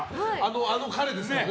あの彼ですよね？